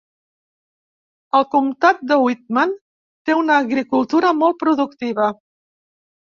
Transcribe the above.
El comptat de Whitman té una agricultura molt productiva.